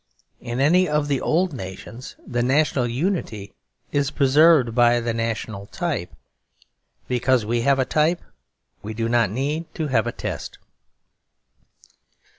In any of the old nations the national unity is preserved by the national type. Because we have a type we do not need to have a test.